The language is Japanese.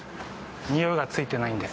においがついてないんで。